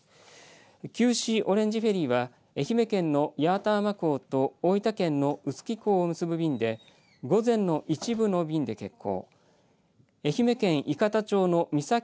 九四オレンジフェリーは愛媛県の八幡浜港と大分県の臼杵港を結ぶ便で午前の一部の便で欠航